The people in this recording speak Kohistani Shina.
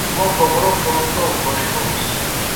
موْ بَوْگڑَو کھون لو کھوش بومَس۔